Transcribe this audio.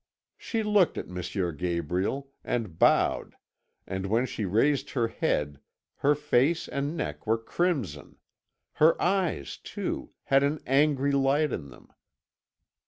"She looked at M. Gabriel, and bowed, and when she raised her head, her face and neck were crimson; her eyes, too, had an angry light in them.